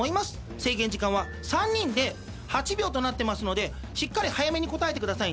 制限時間は３人で８秒となってますのでしっかり早めに答えてください。